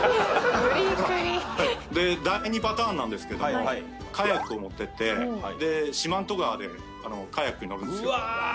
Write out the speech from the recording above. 第２パターンなんですけどカヤックを持ってって四万十川でカヤックに乗るんですよ